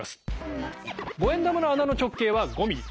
５円玉の穴の直径は５ｍｍ。